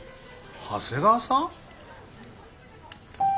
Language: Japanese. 長谷川さん？